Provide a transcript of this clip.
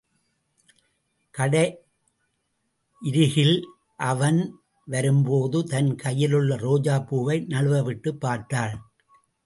கடையிருகில் அவன் வரும்போது தன் கையிலுள்ள ரோஜாப் பூவை நழுவவிட்டுப் பார்த்தாள்.